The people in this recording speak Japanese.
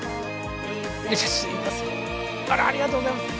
あらありがとうございます。